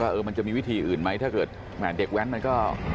ว่ามันจะมีวิธีอื่นไหมถ้าเกิดแหม่เด็กแว้นมันก็